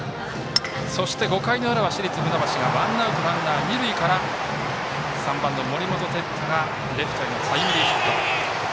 そして、５回の裏は市立船橋がワンアウトランナー、二塁から３番の森本哲太がレフトへのタイムリーヒット。